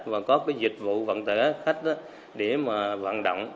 và các dịch vụ vận tửa khách để vận động